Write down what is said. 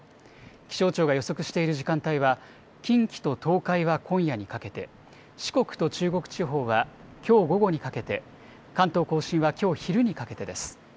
気象庁が予測している時間帯は近畿と東海は今夜にかけて、四国と中国地方はきょう午後にかけて、関東甲信はきょう昼にかけてです。